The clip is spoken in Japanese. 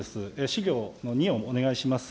資料の２をお願いします。